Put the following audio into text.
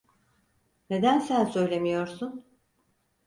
Neden sen söylemiyorsun?